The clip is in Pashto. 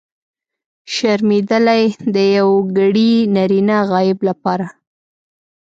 شرمېدلی! د یوګړي نرينه غایب لپاره.